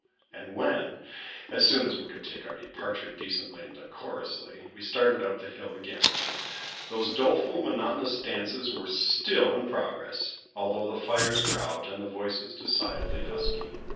And when, as soon as we could take our departure decently and decorously, we started up the hill again, those doleful monotonous dances were still in progress, although the fires were out, and the voices decidedly husky.